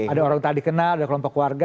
ada orang tak dikenal ada kelompok keluarga